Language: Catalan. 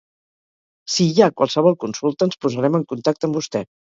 Si hi ha qualsevol consulta ens posarem en contacte amb vostè.